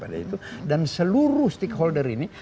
dan seluruh stakeholder ini